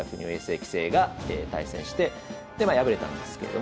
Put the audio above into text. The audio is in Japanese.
棋聖が対戦してでまあ敗れたんですけれども。